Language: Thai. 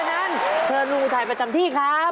เพราะฉะนั้นเชิญลุงอุทัยมาจำที่ครับ